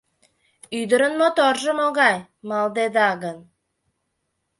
Ӱдырын моторжо могай малдеда гын